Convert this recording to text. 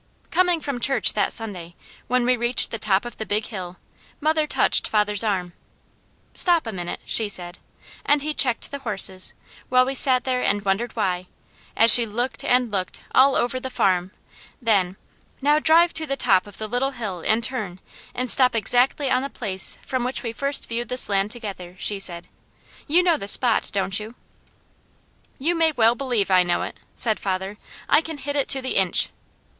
Coming from church that Sunday, when we reached the top of the Big Hill, mother touched father's arm. "Stop a minute," she said, and he checked the horses, while we sat there and wondered why, as she looked and looked all over the farm, then, "Now drive to the top of the Little Hill and turn, and stop exactly on the place from which we first viewed this land together," she said. "You know the spot, don't you?" "You may well believe I know it," said father. "I can hit it to the inch.